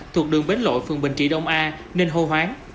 thuộc đường bến lội phường bình trị đông a nên hô hoáng